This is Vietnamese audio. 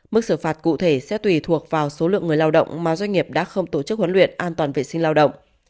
mức xử phạt cụ thể sẽ tùy thuộc vào số lượng người lao động mà doanh nghiệp đã không tổ chức huấn luyện an toàn vệ sinh lao động